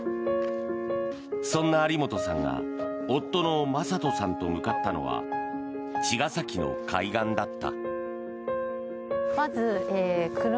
そんな有本さんが夫の昌人さんと向かったのは茅ヶ崎の海岸だった。